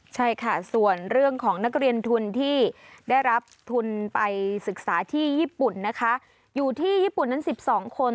ใช่ค่ะส่วนเรื่องของนักเรียนทุนที่ได้รับทุนไปศึกษาที่ญี่ปุ่นนะคะอยู่ที่ญี่ปุ่นนั้น๑๒คน